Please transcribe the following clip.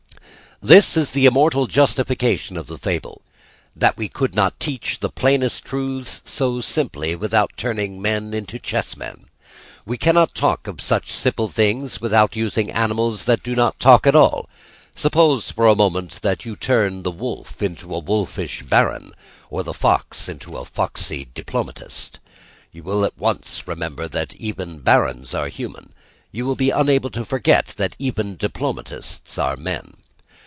This is the immortal justification of the Fable: that we could not teach the plainest truths so simply without turning men into chessmen. We cannot talk of such simple things without using animals that do not talk at all. Suppose, for a moment, that you turn the wolf into a wolfish baron, or the fox into a foxy diplomatist. You will at once remember that even barons are human, you will be unable to forget that even diplomatists are men.